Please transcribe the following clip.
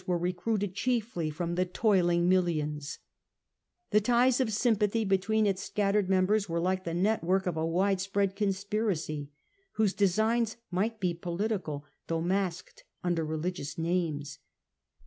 government recruited chiefly from the toiling millions, ihe might ties of sympathy between its scattered mem dSJifst^he bers were like the network of a widespread church, conspiracy, whose designs might be political, though masked under religious names.